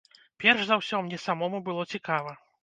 Перш за ўсё, мне самому было цікава.